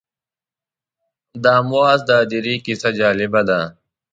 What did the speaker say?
د امواس د هدیرې کیسه جالبه ده.